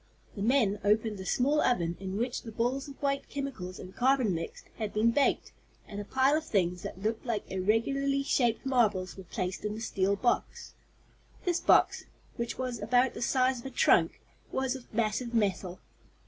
The men opened the small oven in which the balls of white chemicals and carbon mixed, had been baked, and a pile of things, that looked like irregularly shaped marbles, were placed in the steel box. This box, which was about the size of a trunk, was of massive metal.